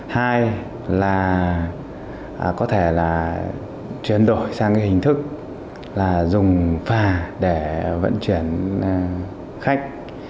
hai là có thể là chuyển đổi sang hình thức là dùng phà để vận chuyển khách